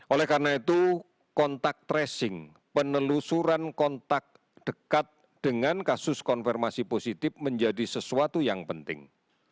oleh karena itu kontak tracing penelusuran kontak dekat dengan kasus konfirmasi positif menjadi sesuatu yang penting